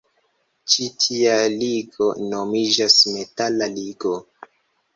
Ĉi tia ligo nomiĝas metala ligo.